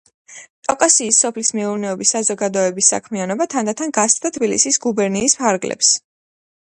კავკასიის სოფლის მეურნეობის საზოგადოების საქმიანობა თანდათან გასცდა თბილისის გუბერნიის ფარგლებს.